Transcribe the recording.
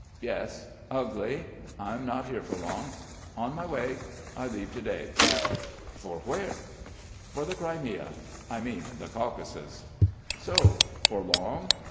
"Yes ... ugly.... I'm not here for long.... On my way. I leave to day." "For where?" "For the Crimea ... I mean, the Caucasus." "So. For long?"